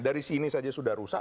dari sini saja sudah rusak